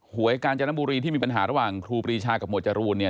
หวยกาญจนบุรีที่มีปัญหาระหว่างครูปรีชากับหมวดจรูนเนี่ย